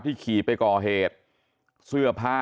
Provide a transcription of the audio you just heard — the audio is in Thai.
ที่ขี่ไปก่อเหตุ